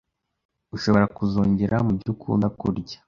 ushobora kuzongera mubyo akunda kurya